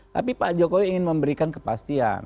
tapi pak jokowi ingin memberikan kepastian